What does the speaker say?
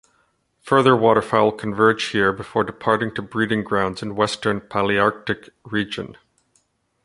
Further waterfowl converge here before departing to breeding grounds in western Palearctic region.